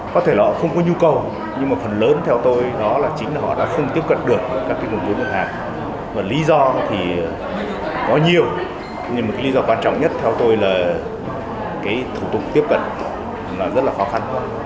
có thể là họ không có nhu cầu nhưng mà phần lớn theo tôi đó là chính là họ đã không tiếp cận được các cái nguồn vốn ngân hàng và lý do thì có nhiều nhưng một lý do quan trọng nhất theo tôi là cái thủ tục tiếp cận là rất là khó khăn